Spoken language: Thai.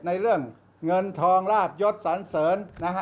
ในเรื่องเงินทองลาบยศสันเสริญนะฮะ